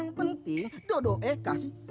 yang penting dodo eh kasih